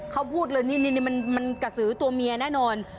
เขาพูดเลยนี่มันกระสือตัวเมียแน่นอน